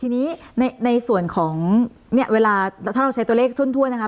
ทีนี้ในส่วนของเนี่ยเวลาถ้าเราใช้ตัวเลขทั่วนะคะ